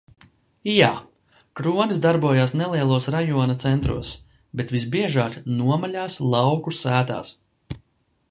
-Jā. Kronis darbojās nelielos rajona centros. Bet visbiežāk- nomaļās lauku sētās.